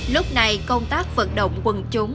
lúc này công tác vận động quần chúng